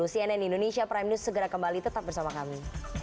cnn indonesia prime news segera kembali tetap bersama kami